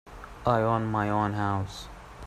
I own my own house.